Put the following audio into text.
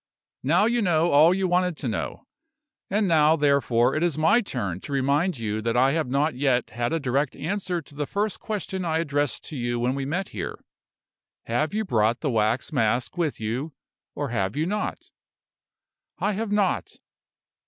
Now you know all you wanted to know; and now, therefore, it is my turn to remind you that I have not yet had a direct answer to the first question I addressed to you when we met here. Have you brought the wax mask with you, or have you not?" "I have not."